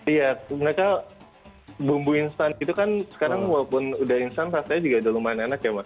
iya mereka bumbu instan itu kan sekarang walaupun udah instan rasanya juga udah lumayan enak ya mas